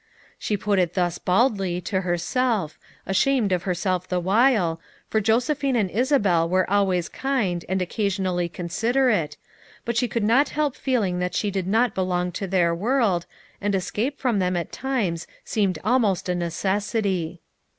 She put it thus baldly, to herself, ashamed of her self the while, for Josephine and Isabel were al ways kind and occasionally considerate, but she could not help feeling that she did not belong to their world, and escape from them at times seemed almost a necessity.